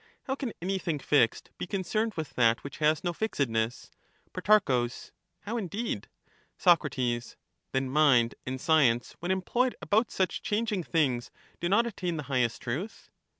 How can anything fixed be concerned with that which has no fixedness ? Pro, How indeed? Soc, Then mind and science when employed about such changing things do not attain the highest truth